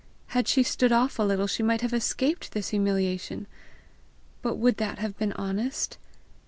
Had she stood off a little, she might have escaped this humiliation! But would that have been honest?